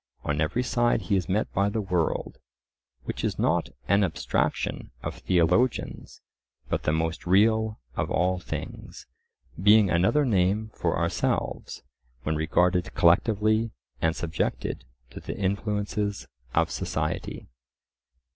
On every side he is met by the world, which is not an abstraction of theologians, but the most real of all things, being another name for ourselves when regarded collectively and subjected to the influences of society.